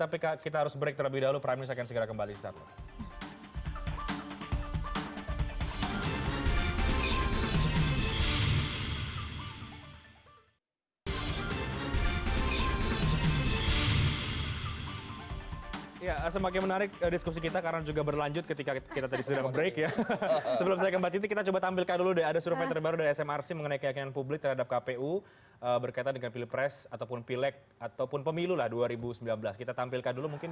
tapi kita harus break terlebih dahulu prime news akan